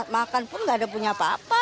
makan pun nggak ada punya apa apa